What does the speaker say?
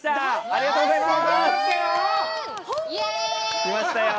ありがとうございます。来ましたよ！